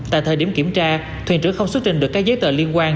tại thời điểm kiểm tra thuyền trưởng không xuất trình được các giấy tờ liên quan